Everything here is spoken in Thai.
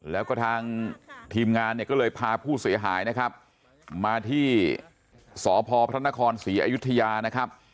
แล้วก็ทางทีมงานเนี่ยก็เลยพาผู้เสียหายนะครับมาที่สพพระนครศรีอยุธยานะครับ